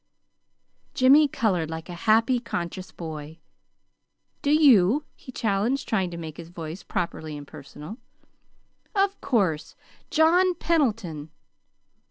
Jimmy colored like a happy, conscious boy. "Do you?" he challenged, trying to make his voice properly impersonal. "Of course! John Pendleton."